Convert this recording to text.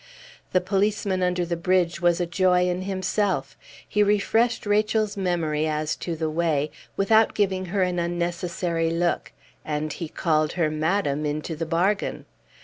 The policeman under the bridge was a joy in himself; he refreshed Rachel's memory as to the way, without giving her an unnecessary look; and he called her "madam" into the bargain!